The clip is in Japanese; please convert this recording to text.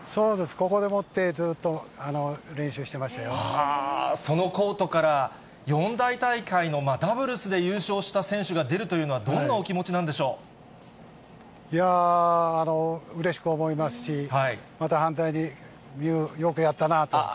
ここでもって、そのコートから、四大大会のダブルスで優勝した選手が出るというのは、うれしく思いますし、また反対に、未唯、よくやったなと。